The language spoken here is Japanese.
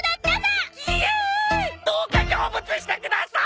どうか成仏してください！